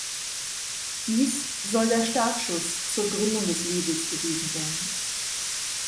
Dies soll der Startschuss zur Gründung des Labels gewesen sein.